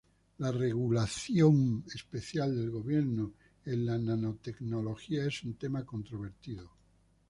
La regulación especial del gobierno en la nanotecnología es un tema controvertido.